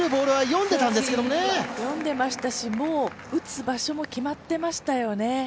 読んでいましたし、打つ場所も決まっていましたよね。